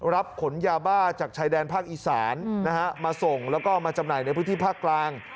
รับขนยาบ้าจากชายแดนภาคอีสานมาส่งแล้วก็มาจำหน่ายในพื้นที่ภาคกลาง